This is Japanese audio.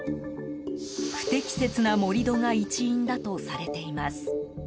不適切な盛り土が一因だとされています。